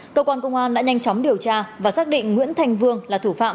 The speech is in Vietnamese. cơ quan công an đã nhanh chóng điều tra và xác định nguyễn thanh vương là thủ phạm